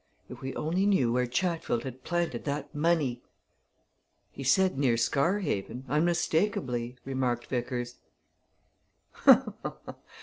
If we only knew where Chatfield had planted that money " "He said near Scarhaven, unmistakably," remarked Vickers.